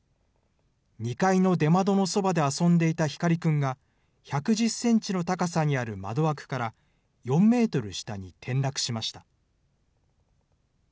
２階の出窓のそばで遊んでいた光くんが、１１０センチの高さにある窓枠から、４メートル下に転落しました。